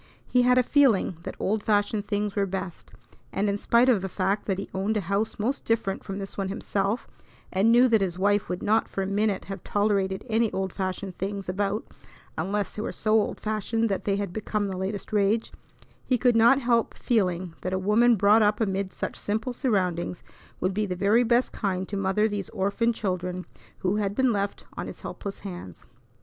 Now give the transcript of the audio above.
He had a feeling that old fashioned things were best, and in spite of the fact that he owned a house most different from this one himself and knew that his wife would not for a minute have tolerated any old fashioned things about unless they were so old fashioned that they had become the latest rage, he could not help feeling that a woman brought up amid such simple surroundings would be the very best kind to mother these orphan children who had been left on his helpless hands.